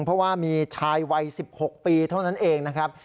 เพราะว่ามีชายวัย๑๖ปีเท่านั้นเองนะครับ